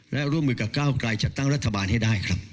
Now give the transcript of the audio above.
และร่วมมือกับก้าวกลายจัดตั้งรัฐบาลให้ได้ครับ